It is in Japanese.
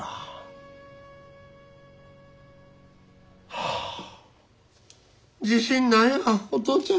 はあ自信ないわお父ちゃん。